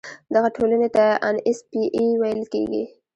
دغه ټولنې ته ان ایس پي اي ویل کیږي.